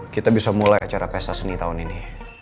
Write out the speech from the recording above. kita bisa mulai acara pesta seni tahun ini